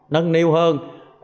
nâng niu hơn